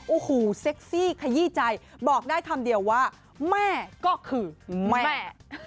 โอ้โหเซ็กซี่ขยี้ใจบอกได้คำเดียวว่าแม่ก็คือแม่